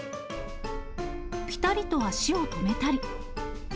ぴたりと足を止めたり。